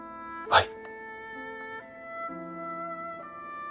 はい！